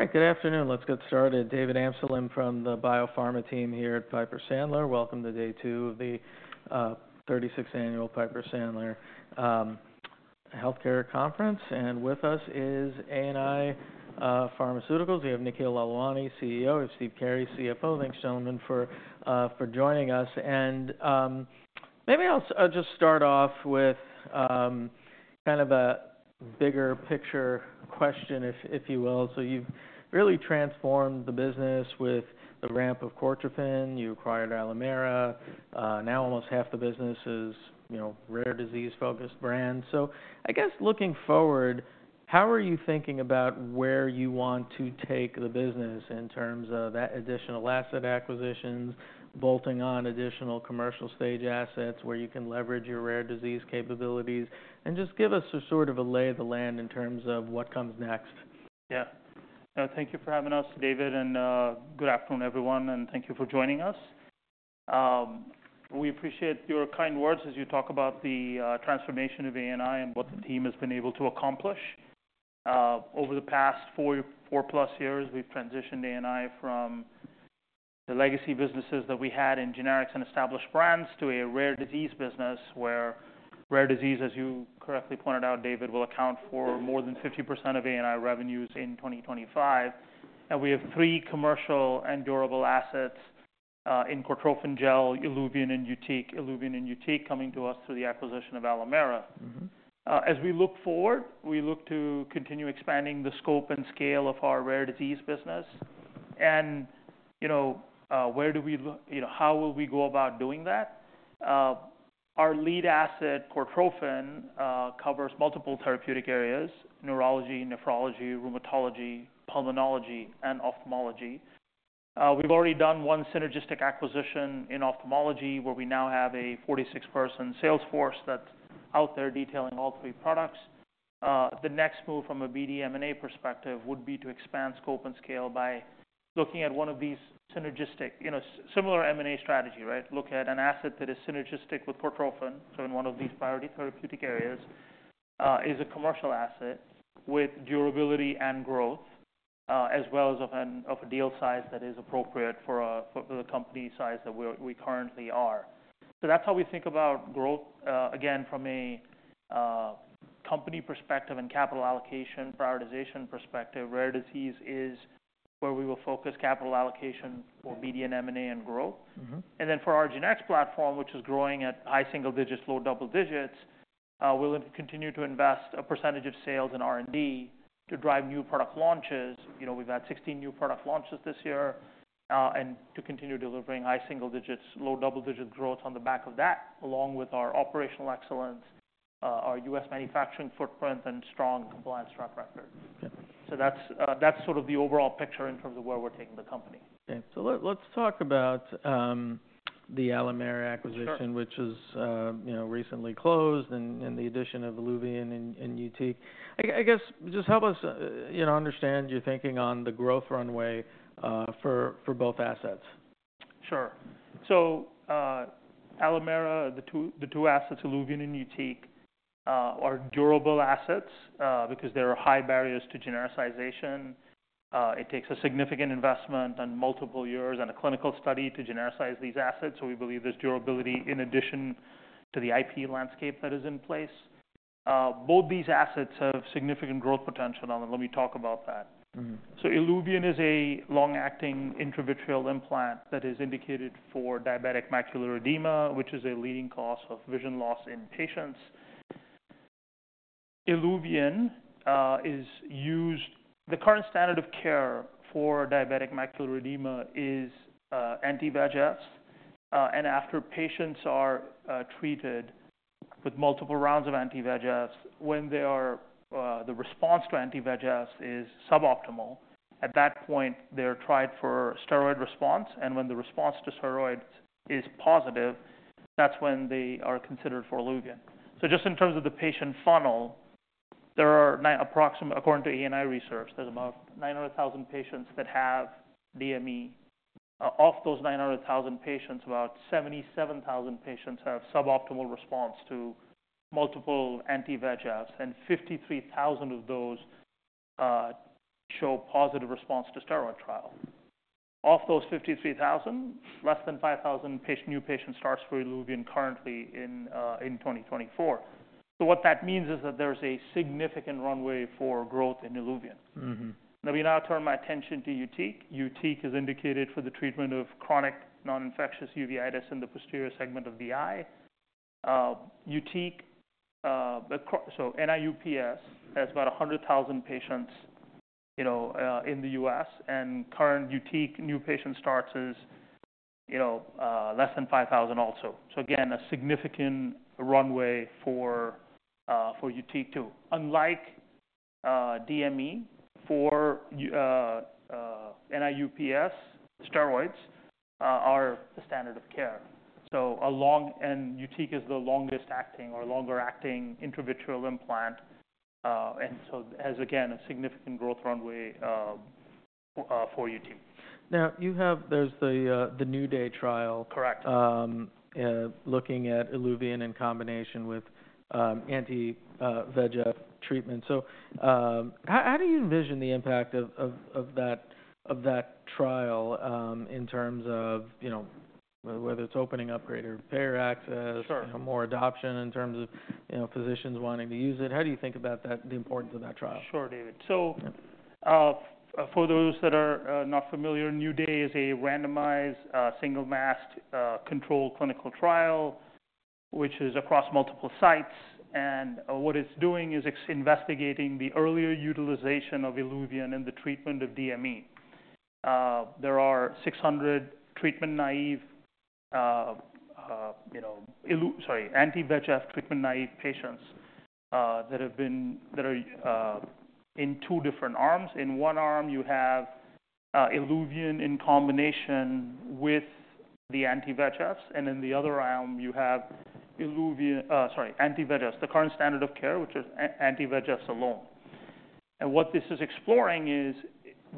All right, good afternoon. Let's get started. David Amsellem from the biopharma team here at Piper Sandler. Welcome to day two of the 36th annual Piper Sandler Healthcare Conference. And with us is ANI Pharmaceuticals. We have Nikhil Lalwani, CEO, and Steve Carey, CFO. Thanks, gentlemen, for joining us. And maybe I'll just start off with kind of a bigger picture question, if you will. So you've really transformed the business with the ramp of Cortrophin. You acquired Alimera. Now almost half the business is rare disease-focused brands. So I guess looking forward, how are you thinking about where you want to take the business in terms of that additional asset acquisitions, bolting on additional commercial stage assets where you can leverage your rare disease capabilities, and just give us a sort of a lay of the land in terms of what comes next? Yeah. Thank you for having us, David. And good afternoon, everyone. And thank you for joining us. We appreciate your kind words as you talk about the transformation of ANI and what the team has been able to accomplish. Over the past four-plus years, we've transitioned ANI from the legacy businesses that we had in generics and established brands to a rare disease business where rare disease, as you correctly pointed out, David, will account for more than 50% of ANI revenues in 2025. And we have three commercial and durable assets in Cortrophin Gel, ILUVIEN, and YUTIQ. ILUVIEN and YUTIQ coming to us through the acquisition of Alimera. As we look forward, we look to continue expanding the scope and scale of our rare disease business. And where do we look? How will we go about doing that? Our lead asset, Cortrophin, covers multiple therapeutic areas: neurology, nephrology, rheumatology, pulmonology, and ophthalmology. We've already done one synergistic acquisition in ophthalmology where we now have a 46-person sales force that's out there detailing all three products. The next move from a BD-M&A perspective would be to expand scope and scale by looking at one of these synergistic similar M&A strategy, right? Look at an asset that is synergistic with Cortrophin, so in one of these priority therapeutic areas, is a commercial asset with durability and growth, as well as of a deal size that is appropriate for the company size that we currently are. So that's how we think about growth. Again, from a company perspective and capital allocation prioritization perspective, rare disease is where we will focus capital allocation for BD and M&A and growth. Then for our Generics platform, which is growing at high single digits, low double digits, we'll continue to invest a percentage of sales in R&D to drive new product launches. We've had 16 new product launches this year. To continue delivering high single digits, low double digit growth on the back of that, along with our operational excellence, our U.S. manufacturing footprint, and strong compliance track record. That's sort of the overall picture in terms of where we're taking the company. Okay. So let's talk about the Alimera acquisition, which was recently closed and the addition of ILUVIEN and YUTIQ. I guess just help us understand your thinking on the growth runway for both assets. Sure. So Alimera, the two assets, ILUVIEN and YUTIQ, are durable assets because there are high barriers to genericization. It takes a significant investment and multiple years and a clinical study to genericize these assets. So we believe there's durability in addition to the IP landscape that is in place. Both these assets have significant growth potential. And let me talk about that. So ILUVIEN is a long-acting intravitreal implant that is indicated for diabetic macular edema, which is a leading cause of vision loss in patients. ILUVIEN is used. The current standard of care for diabetic macular edema is anti-VEGFs. And after patients are treated with multiple rounds of anti-VEGFs, when the response to anti-VEGFs is suboptimal, at that point, they're tried for steroid response. And when the response to steroids is positive, that's when they are considered for ILUVIEN. So just in terms of the patient funnel, there are, according to ANI research, there's about 900,000 patients that have DME. Of those 900,000 patients, about 77,000 patients have suboptimal response to multiple anti-VEGFs. And 53,000 of those show positive response to steroid trial. Of those 53,000, less than 5,000 new patients starts for ILUVIEN currently in 2024. So what that means is that there's a significant runway for growth in ILUVIEN. Let me now turn my attention to YUTIQ. YUTIQ is indicated for the treatment of chronic non-infectious uveitis in the posterior segment of the eye. YUTIQ, so NIU-PS, has about 100,000 patients in the U.S. And current YUTIQ new patient starts is less than 5,000 also. So again, a significant runway for YUTIQ too. Unlike DME, for NIU-PS, steroids are the standard of care. And YUTIQ is the longest acting or longer acting intravitreal implant. It has, again, a significant growth runway for YUTIQ. Now, there's the NEW DAY trial. Correct. Looking at ILUVIEN in combination with anti-VEGF treatment. So how do you envision the impact of that trial in terms of whether it's opening, upgrade, or repair access, more adoption in terms of physicians wanting to use it? How do you think about the importance of that trial? Sure, David. So for those that are not familiar, NEW DAY is a randomized single-masked controlled clinical trial, which is across multiple sites. And what it's doing is it's investigating the earlier utilization of ILUVIEN in the treatment of DME. There are 600 treatment naive sorry, anti-VEGF treatment naive patients that are in two different arms. In one arm, you have ILUVIEN in combination with the anti-VEGFs. And in the other arm, you have ILUVIEN sorry, anti-VEGFs, the current standard of care, which is anti-VEGFs alone. And what this is exploring is,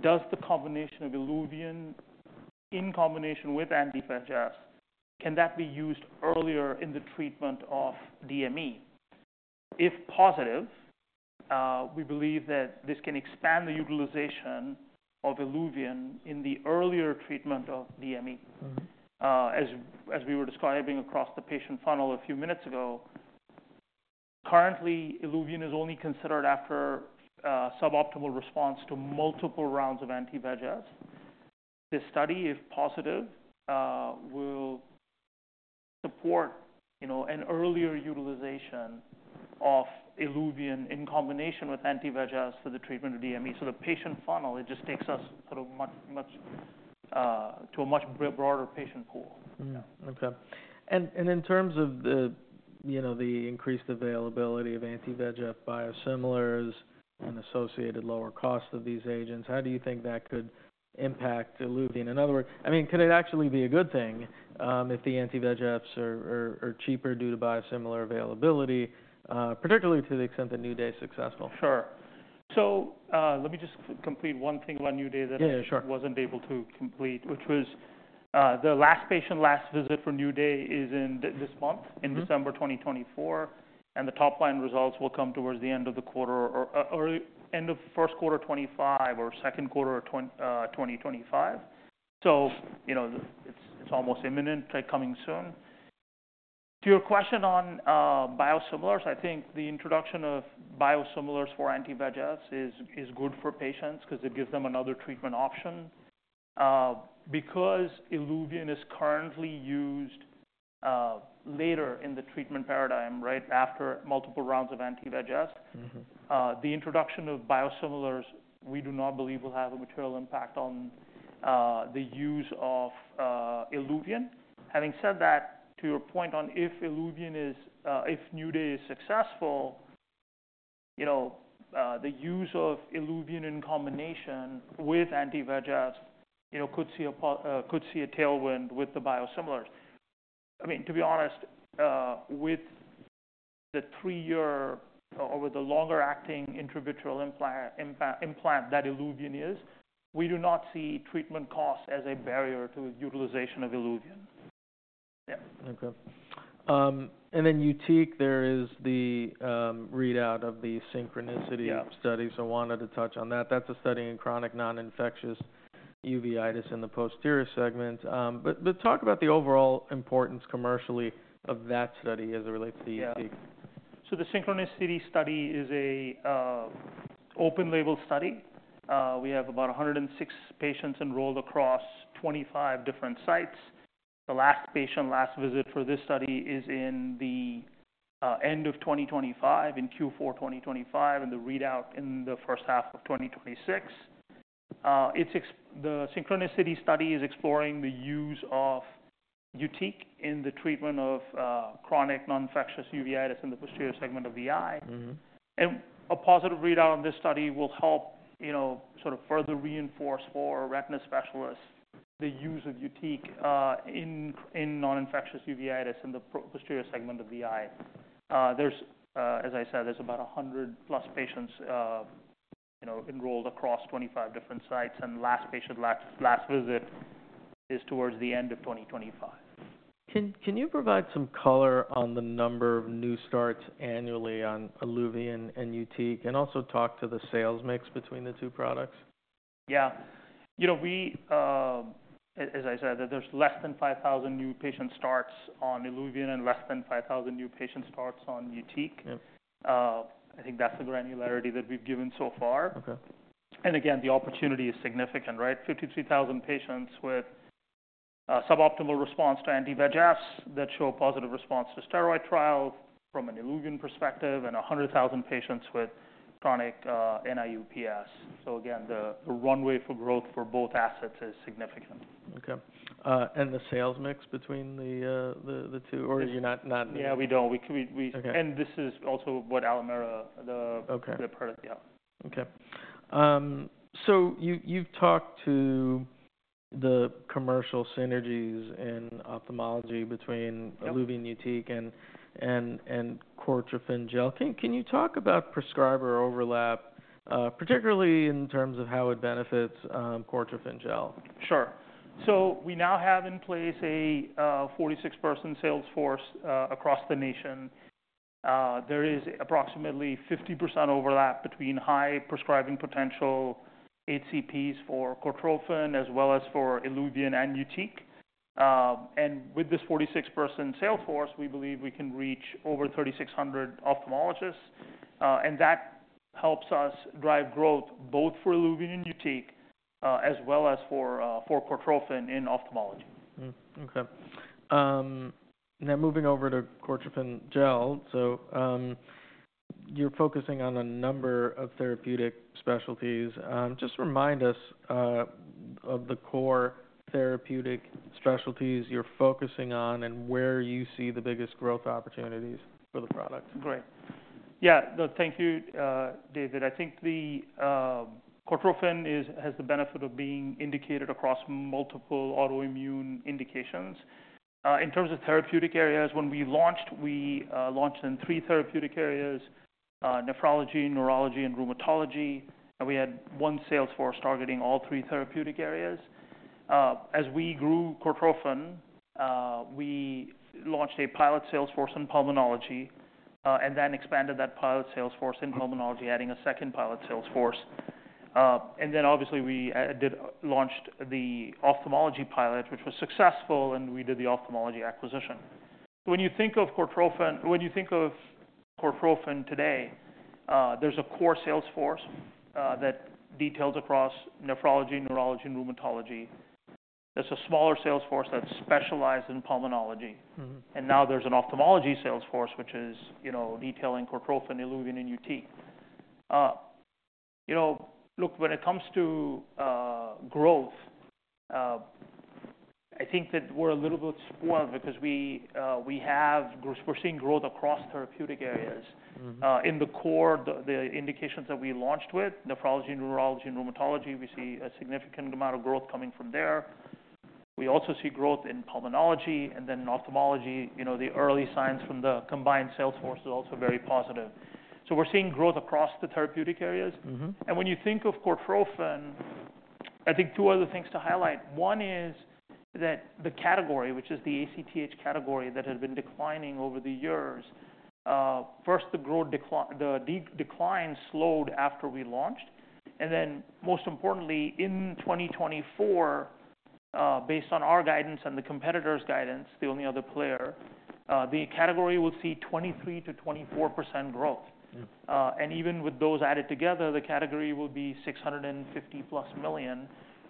does the combination of ILUVIEN in combination with anti-VEGFs, can that be used earlier in the treatment of DME? If positive, we believe that this can expand the utilization of ILUVIEN in the earlier treatment of DME. As we were describing across the patient funnel a few minutes ago, currently, ILUVIEN is only considered after suboptimal response to multiple rounds of anti-VEGFs. This study, if positive, will support an earlier utilization of ILUVIEN in combination with anti-VEGFs for the treatment of DME. So the patient funnel, it just takes us sort of to a much broader patient pool. Okay. And in terms of the increased availability of anti-VEGF biosimilars and associated lower cost of these agents, how do you think that could impact ILUVIEN? In other words, I mean, could it actually be a good thing if the anti-VEGFs are cheaper due to biosimilar availability, particularly to the extent that NEW DAY is successful? Sure. So let me just complete one thing about NEW DAY that I wasn't able to complete, which was the last patient last visit for NEW DAY is in this month, in December 2024. And the top line results will come towards the end of the quarter or end of first quarter 2025 or second quarter of 2025. So it's almost imminent, coming soon. To your question on biosimilars, I think the introduction of biosimilars for anti-VEGFs is good for patients because it gives them another treatment option. Because ILUVIEN is currently used later in the treatment paradigm, right after multiple rounds of anti-VEGFs, the introduction of biosimilars, we do not believe will have a material impact on the use of ILUVIEN. Having said that, to your point on if New Day is successful, the use of ILUVIEN in combination with anti-VEGFs could see a tailwind with the biosimilars. I mean, to be honest, with the three-year or with the longer-acting intravitreal implant that ILUVIEN is, we do not see treatment costs as a barrier to utilization of ILUVIEN. Yeah. Okay. And then YUTIQ, there is the readout of the SYNCHRONICITY study. So I wanted to touch on that. That's a study in chronic non-infectious uveitis in the posterior segment. But talk about the overall importance commercially of that study as it relates to YUTIQ. Yeah. So the Synchronicity study is an open-label study. We have about 106 patients enrolled across 25 different sites. The last patient, last visit for this study is in the end of 2025, in Q4 2025, and the readout in the first half of 2026. The Synchronicity study is exploring the use of YUTIQ in the treatment of chronic non-infectious uveitis in the posterior segment of the eye. And a positive readout on this study will help sort of further reinforce for retina specialists the use of YUTIQ in non-infectious uveitis in the posterior segment of the eye. As I said, there's about 100+ patients enrolled across 25 different sites. And last patient, last visit is towards the end of 2025. Can you provide some color on the number of new starts annually on ILUVIEN and YUTIQ and also talk to the sales mix between the two products? Yeah. As I said, there's less than 5,000 new patient starts on ILUVIEN and less than 5,000 new patient starts on YUTIQ. I think that's the granularity that we've given so far. And again, the opportunity is significant, right? 53,000 patients with suboptimal response to anti-VEGFs that show positive response to steroid trials from an ILUVIEN perspective and 100,000 patients with chronic NIU-PS. So again, the runway for growth for both assets is significant. Okay. And the sales mix between the two? Or you're not. Yeah, we don't, and this is also what Alimera, the part of. Okay, so you've talked to the commercial synergies in ophthalmology between ILUVIEN, YUTIQ, and Cortrophin Gel. Can you talk about prescriber overlap, particularly in terms of how it benefits Cortrophin Gel? Sure, so we now have in place a 46-person sales force across the nation. There is approximately 50% overlap between high prescribing potential HCPs for Cortrophin as well as for ILUVIEN and YUTIQ, and with this 46-person sales force, we believe we can reach over 3,600 ophthalmologists, and that helps us drive growth both for ILUVIEN and YUTIQ as well as for Cortrophin in ophthalmology. Okay. Now moving over to Cortrophin Gel. So you're focusing on a number of therapeutic specialties. Just remind us of the core therapeutic specialties you're focusing on and where you see the biggest growth opportunities for the product. Great. Yeah. No, thank you, David. I think Cortrophin has the benefit of being indicated across multiple autoimmune indications. In terms of therapeutic areas, when we launched, we launched in three therapeutic areas: nephrology, neurology, and rheumatology. We had one sales force targeting all three therapeutic areas. As we grew Cortrophin, we launched a pilot sales force in pulmonology and then expanded that pilot sales force in pulmonology, adding a second pilot sales force. Then obviously, we launched the ophthalmology pilot, which was successful, and we did the ophthalmology acquisition. When you think of Cortrophin today, there's a core sales force that details across nephrology, neurology, and rheumatology. There's a smaller sales force that's specialized in pulmonology. Now there's an ophthalmology sales force, which is detailing Cortrophin, ILUVIEN, and YUTIQ. Look, when it comes to growth, I think that we're a little bit spoiled because we're seeing growth across therapeutic areas. In the core, the indications that we launched with nephrology, neurology, and rheumatology, we see a significant amount of growth coming from there. We also see growth in pulmonology and then ophthalmology. The early signs from the combined sales force is also very positive. So we're seeing growth across the therapeutic areas. And when you think of Cortrophin, I think two other things to highlight. One is that the category, which is the ACTH category, that had been declining over the years, first, the decline slowed after we launched. And then most importantly, in 2024, based on our guidance and the competitor's guidance, the only other player, the category will see 23%-24% growth. And even with those added together, the category will be $650+ million,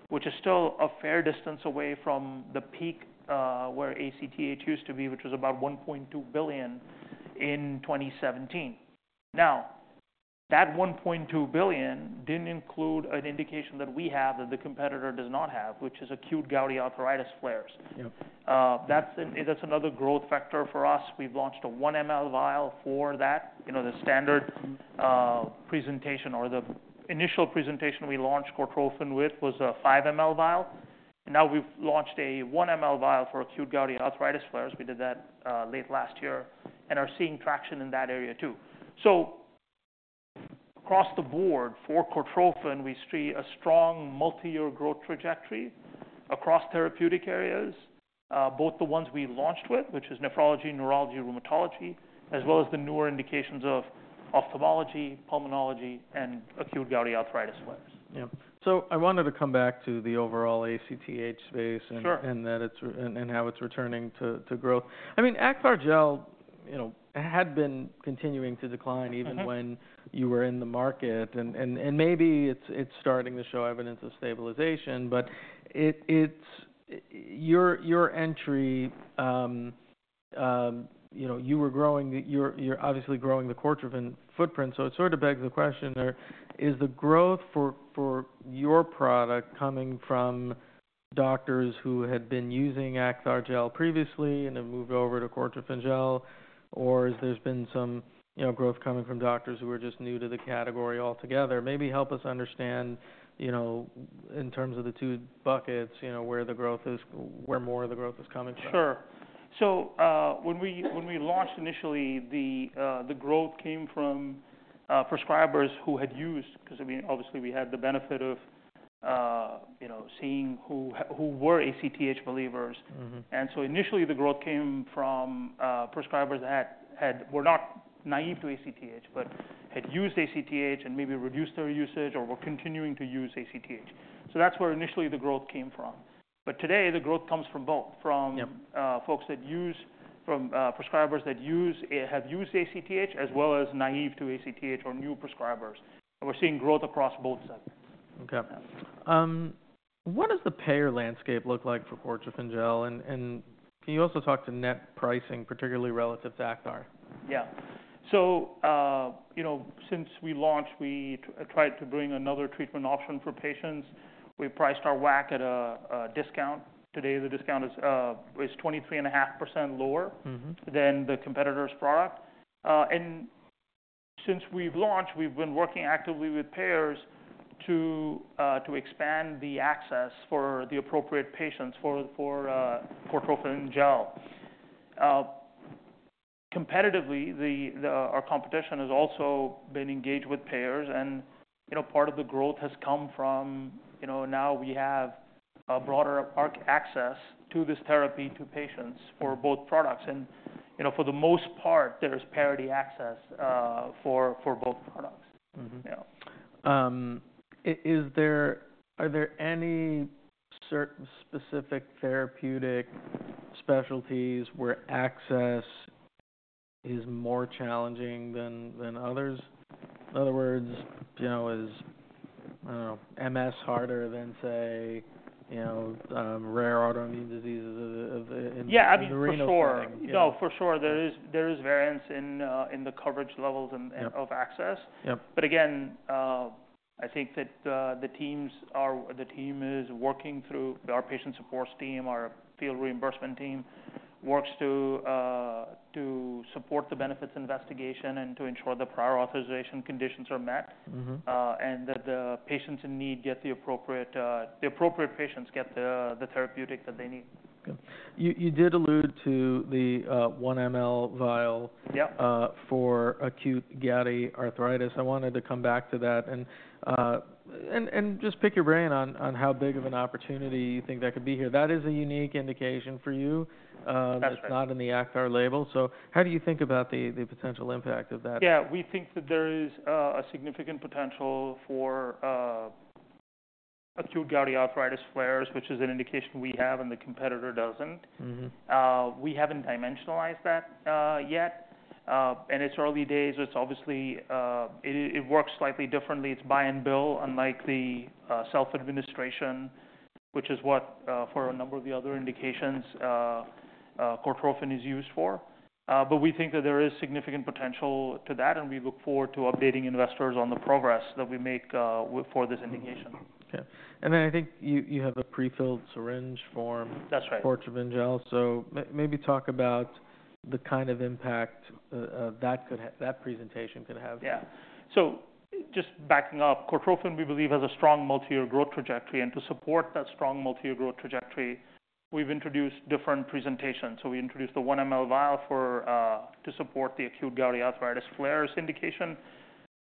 which is still a fair distance away from the peak where ACTH used to be, which was about $1.2 billion in 2017. Now, that $1.2 billion didn't include an indication that we have that the competitor does not have, which is acute gouty arthritis flares. That's another growth factor for us. We've launched a 1 mL vial for that. The standard presentation or the initial presentation we launched Cortrophin with was a 5 mL vial. Now we've launched a 1 mL vial for acute gouty arthritis flares. We did that late last year and are seeing traction in that area too. So across the board for Cortrophin, we see a strong multi-year growth trajectory across therapeutic areas, both the ones we launched with, which is nephrology, neurology, rheumatology, as well as the newer indications of ophthalmology, pulmonology, and acute gouty arthritis flares. Yeah. So I wanted to come back to the overall ACTH space and how it's returning to growth. I mean, Acthar Gel had been continuing to decline even when you were in the market. And maybe it's starting to show evidence of stabilization. But your entry, you were growing, you're obviously growing the Cortrophin footprint. So it sort of begs the question, is the growth for your product coming from doctors who had been using Acthar Gel previously and have moved over to Cortrophin Gel, or has there been some growth coming from doctors who are just new to the category altogether? Maybe help us understand in terms of the two buckets where the growth is where more of the growth is coming from. Sure. So when we launched initially, the growth came from prescribers who had used because obviously, we had the benefit of seeing who were ACTH believers. And so initially, the growth came from prescribers that were not naive to ACTH but had used ACTH and maybe reduced their usage or were continuing to use ACTH. So that's where initially the growth came from. But today, the growth comes from both, from folks that use from prescribers that have used ACTH as well as naive to ACTH or new prescribers. And we're seeing growth across both segments. Okay. What does the payer landscape look like for Cortrophin Gel? And can you also talk to net pricing, particularly relative to Acthar? Yeah, so since we launched, we tried to bring another treatment option for patients. We priced our WAC at a discount. Today, the discount is 23.5% lower than the competitor's product, and since we've launched, we've been working actively with payers to expand the access for the appropriate patients for Cortrophin Gel. Competitively, our competition has also been engaged with payers, and part of the growth has come from now we have a broader access to this therapy to patients for both products, and for the most part, there's parity access for both products. Yeah. Are there any specific therapeutic specialties where access is more challenging than others? In other words, is MS harder than, say, rare autoimmune diseases of the adrenal gland? Yeah, I mean, for sure. No, for sure. There is variance in the coverage levels of access. But again, I think that the team is working through our patient support team. Our field reimbursement team works to support the benefits investigation and to ensure the prior authorization conditions are met and that the patients in need get the appropriate patients get the therapeutic that they need. Okay. You did allude to the 1 mL vial for acute gouty arthritis. I wanted to come back to that and just pick your brain on how big of an opportunity you think that could be here. That is a unique indication for you. That's right. It's not in the Acthar label. So how do you think about the potential impact of that? Yeah. We think that there is a significant potential for acute gouty arthritis flares, which is an indication we have and the competitor doesn't. We haven't dimensionalized that yet, and it's early days. It's obvious it works slightly differently. It's buy and bill, unlike the self-administration, which is what for a number of the other indications Cortrophin is used for. But we think that there is significant potential to that, and we look forward to updating investors on the progress that we make for this indication. Okay. And then I think you have a prefilled syringe for Cortrophin Gel. So maybe talk about the kind of impact that presentation could have. Yeah. So just backing up, Cortrophin, we believe, has a strong multi-year growth trajectory. And to support that strong multi-year growth trajectory, we've introduced different presentations. So we introduced the 1 mL vial to support the acute gouty arthritis flares indication.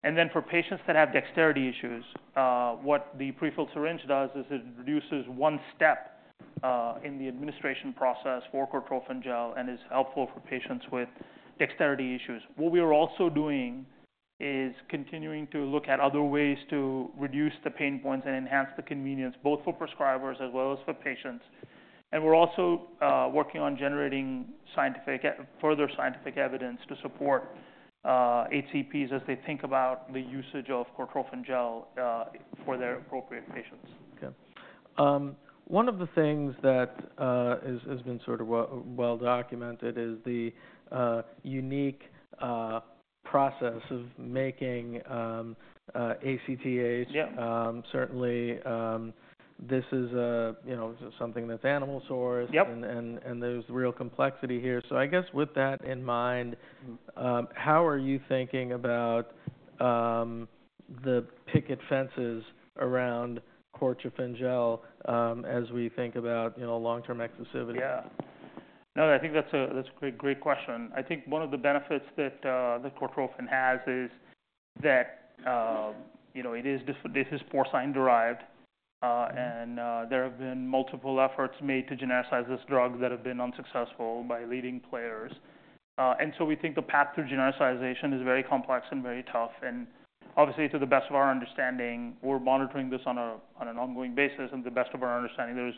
And then for patients that have dexterity issues, what the prefilled syringe does is it reduces one step in the administration process for Cortrophin gel and is helpful for patients with dexterity issues. What we are also doing is continuing to look at other ways to reduce the pain points and enhance the convenience both for prescribers as well as for patients. And we're also working on generating further scientific evidence to support HCPs as they think about the usage of Cortrophin gel for their appropriate patients. Okay. One of the things that has been sort of well documented is the unique process of making ACTH. Certainly, this is something that's animal sourced. And there's real complexity here. So I guess with that in mind, how are you thinking about the picket fences around Cortrophin Gel as we think about long-term exclusivity? Yeah. No, I think that's a great question. I think one of the benefits that Cortrophin has is that it is porcine derived. And there have been multiple efforts made to genericize this drug that have been unsuccessful by leading players. And so we think the path to genericization is very complex and very tough. And obviously, to the best of our understanding, we're monitoring this on an ongoing basis. And to the best of our understanding, there's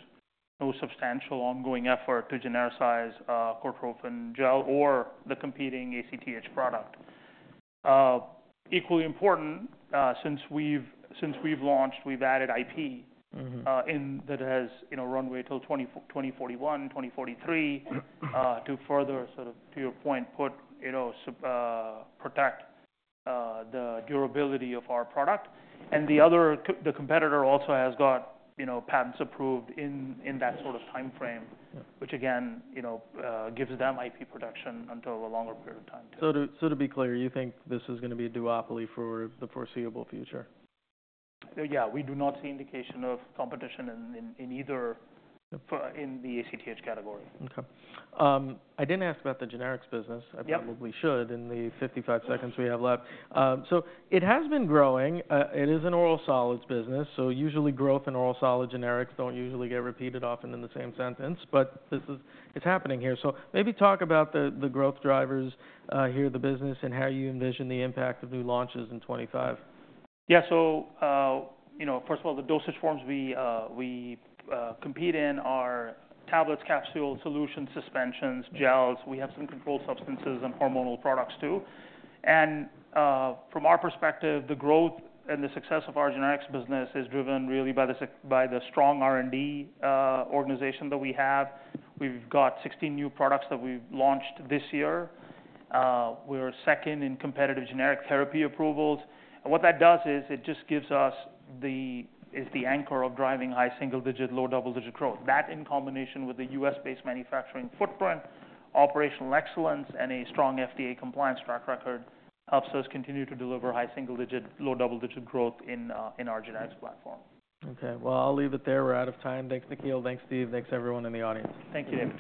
no substantial ongoing effort to genericize Cortrophin gel or the competing ACTH product. Equally important, since we've launched, we've added IP that has runway till 2041, 2043 to further sort of, to your point, protect the durability of our product. And the competitor also has got patents approved in that sort of time frame, which again gives them IP protection until a longer period of time too. So to be clear, you think this is going to be a duopoly for the foreseeable future? Yeah. We do not see indication of competition in either the ACTH category. Okay. I didn't ask about the generics business. I probably should in the 55 seconds we have left. So it has been growing. It is an oral solids business. So usually, growth in oral solid generics don't usually get repeated often in the same sentence. But it's happening here. So maybe talk about the growth drivers here in the business and how you envision the impact of new launches in 2025. Yeah, so first of all, the dosage forms we compete in are tablets, capsules, solutions, suspensions, gels. We have some controlled substances and hormonal products too. From our perspective, the growth and the success of our generics business is driven really by the strong R&D organization that we have. We've got 16 new products that we've launched this year. We're second in competitive generic therapy approvals. And what that does is it just gives us the anchor of driving high single-digit, low double-digit growth. That in combination with the U.S.-based manufacturing footprint, operational excellence, and a strong FDA compliance track record helps us continue to deliver high single-digit, low double-digit growth in our generics platform. Okay, well, I'll leave it there. We're out of time. Thanks, Nikhil. Thanks, Steve. Thanks, everyone in the audience. Thank you.